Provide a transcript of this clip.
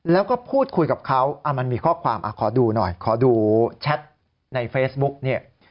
แล้วก็พูดคุยกับเขามันมีข้อความจะดูช็อตในเฟสบุ๊คเนี่ย